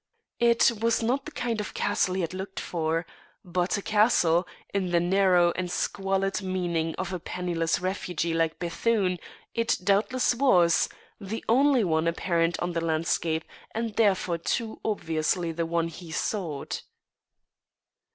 It was not the kind of castle he had looked for, but a castle, in the narrow and squalid meaning of a penniless refugee like Bethune, it doubtless was, the only one apparent on the landscape, and therefore too obviously the one he sought.